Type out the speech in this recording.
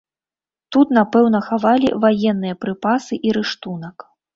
Тут, напэўна, хавалі ваенныя прыпасы і рыштунак.